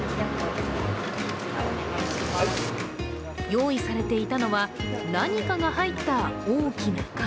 用意されていたのは、何かが入った大きな缶。